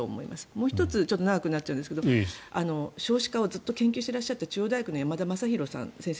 もう１つ長くなっちゃうんですが少子化をずっと研究してらっしゃった中央大学の山田昌弘先生